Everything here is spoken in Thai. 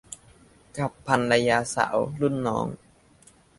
กับภรรยาสาวรุ่นน้อง